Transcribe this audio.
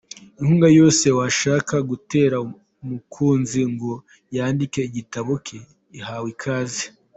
Inkunga yose washaka gutera Mukunzi ngo yandike igitabo ke ihawe ikaze!.